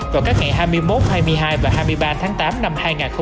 vào các ngày hai mươi một hai mươi hai và hai mươi ba tháng tám năm hai nghìn hai mươi